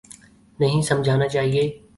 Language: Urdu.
نہیں سمجھانا چاہیے۔